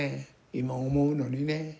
今思うのにね。